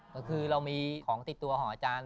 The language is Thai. ก็คือเรามีของติดตัวของอาจารย์